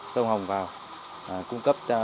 sông hồng vào cung cấp